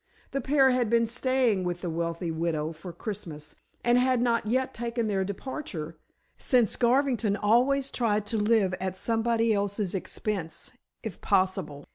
The pair had been staying with the wealthy widow for Christmas, and had not yet taken their departure, since Garvington always tried to live at somebody's expense if possible.